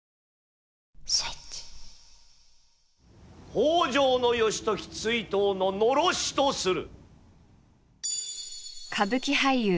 北条義時追討の狼煙とする。